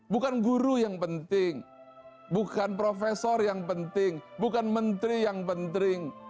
bukan guru yang penting bukan profesor yang penting bukan menteri yang penting